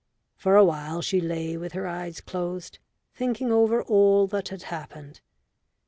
For a while she lay with her eyes closed, thinking over all that had happened.